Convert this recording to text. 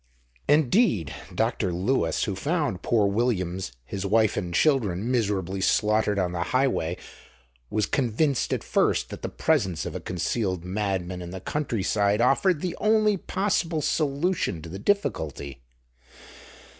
Indeed, Dr. Lewis, who found poor Williams, his wife and children miserably slaughtered on the Highway, was convinced at first that the presence of a concealed madman in the countryside offered the only possible solution to the difficulty.